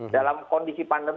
dalam kondisi pandemi